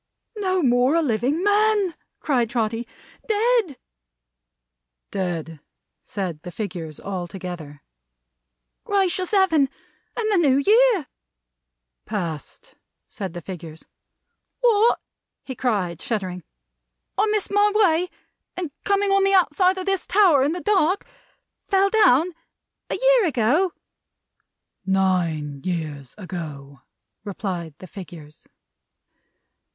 "No more a living man!" cried Trotty. "Dead!" "Dead!" said the figures altogether. "Gracious Heaven! And the New Year ' "Past," said the figures. "What!" he cried, shuddering, "I missed my way, and coming on the outside of this tower in the dark, fell down a year ago?" "Nine years ago!" replied the figures.